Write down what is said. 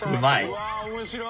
うわ面白い！